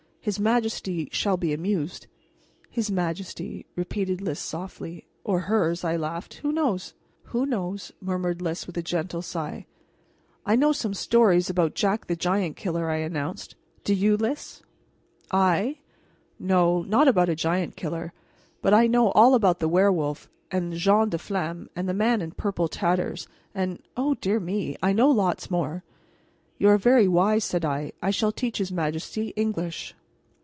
His majesty shall be amused." "His majesty," repeated Lys softly. "Or hers," I laughed. "Who knows?" "Who knows?" murmured Lys; with a gentle sigh. "I know some stories about Jack the Giant Killer," I announced. "Do you, Lys?" "I? No, not about a giant killer, but I know all about the werewolf, and Jeanne la Flamme, and the Man in Purple Tatters, and O dear me, I know lots more." "You are very wise," said I. "I shall teach his majesty, English."